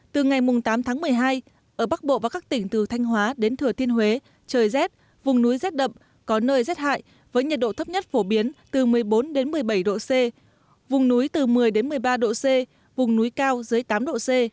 từ ngày tám tháng một mươi hai ở bắc bộ và các tỉnh từ thanh hóa đến thừa thiên huế trời rét vùng núi rét đậm có nơi rét hại với nhiệt độ thấp nhất phổ biến từ một mươi bốn một mươi bảy độ c vùng núi từ một mươi một mươi ba độ c vùng núi cao dưới tám độ c